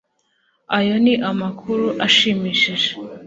Ayo ni amakuru ashimishije